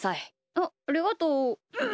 あっありがとう。